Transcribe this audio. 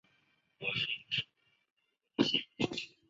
维列欧布安。